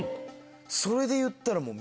それでいったらもう。